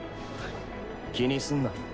気にすんな。